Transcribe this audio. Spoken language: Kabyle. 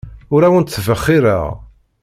Ur awent-ttbexxireɣ.